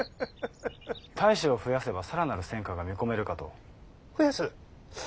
隊士を増やせば更なる成果が見込めるかと。